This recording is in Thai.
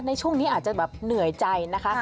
ในช่วงนี้อาจจะแบบเหนื่อยใจนะคะ